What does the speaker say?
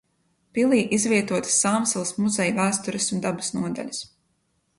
Pilī izvietotas Sāmsalas muzeja vēstures un dabas nodaļas.